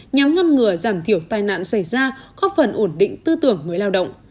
nhằm ngăn ngừa giảm thiểu tai nạn xảy ra góp phần ổn định tư tưởng người lao động